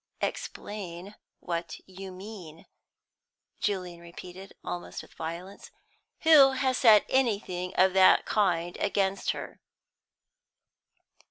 "Explain what you mean," Julian repeated, almost with violence. "Who has said anything of that kind against her?"